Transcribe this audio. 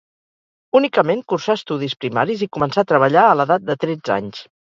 Únicament cursà estudis primaris i començà a treballar a l'edat de tretze anys.